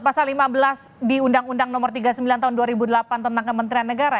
pasal lima belas di undang undang nomor tiga puluh sembilan tahun dua ribu delapan tentang kementerian negara